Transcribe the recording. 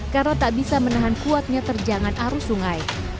karena tak bisa menahan kuatnya terjangan arus sungai